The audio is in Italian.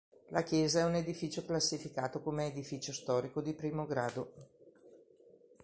La chiesa è un edificio classificato come edificio storico di I grado.